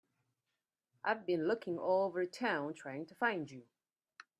I've been looking all over town trying to find you.